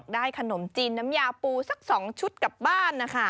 ขนมจีนน้ำยาปูสัก๒ชุดกลับบ้านนะคะ